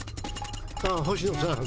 あっ星野さん。